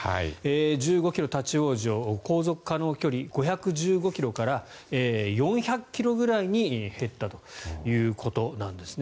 １５ｋｍ立ち往生航続可能距離５１５ｋｍから４００ｋｍぐらいに減ったということなんですね。